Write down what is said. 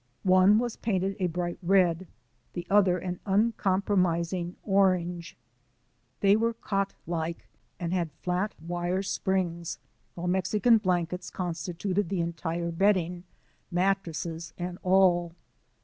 One was painted a bright red, the other an uncompromising orange. They were cot like and had flat wire springs, while Mexican blankets constituted the entire bedding, mattresses and all.